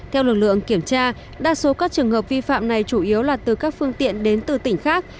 theo lực lượng kiểm tra đa số các trường hợp vi phạm này chủ yếu là từ các phương tiện đến từ tỉnh khác